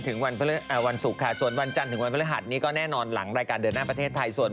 ทุบวันประหลาดวันจันทร์จนไปถึงวันฝรั่งภรรยาศนี้ก็แน่นอนหลังรายการเดือนหน้าประเทศไทย